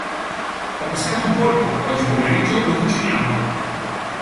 Ho pescato un polpo, oggi pomeriggio lo cuciniamo.